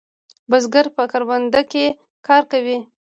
بزگر په کرونده کې کار کوي.